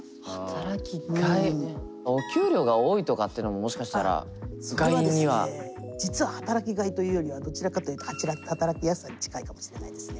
お給料が多いとかってのももしかしたら「がい」には。そこがですね実は働きがいというよりはどちらかというと働きやすさに近いかもしれないですね。